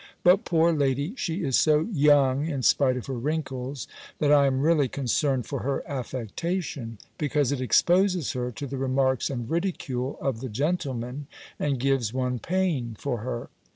But, poor lady, she is so young, in spite of her wrinkles, that I am really concerned for her affectation; because it exposes her to the remarks and ridicule of the gentlemen, and gives one pain for her.